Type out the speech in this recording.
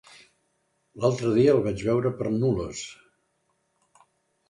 L'altre dia el vaig veure per Nules.